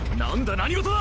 何事だ